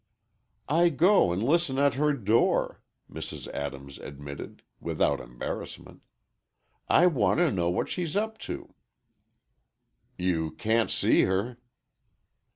"I go and listen at her door," Mrs. Adams admitted, without embarrassment. "I want to know what she's up to." "You can't see her."